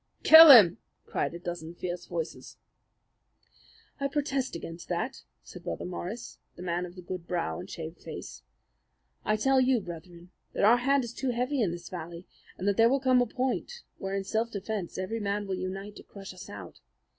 "Kill him!" cried a dozen fierce voices. "I protest against that," said Brother Morris, the man of the good brow and shaved face. "I tell you, Brethren, that our hand is too heavy in this valley, and that there will come a point where in self defense every man will unite to crush us out.